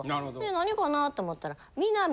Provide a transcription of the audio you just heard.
何かなと思ったら。